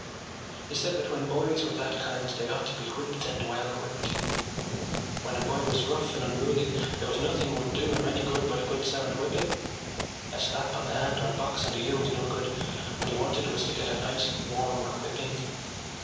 He said that when boys were that kind they ought to be whipped and well whipped. When a boy was rough and unruly there was nothing would do him any good but a good sound whipping. A slap on the hand or a box on the ear was no good: what he wanted was to get a nice warm whipping.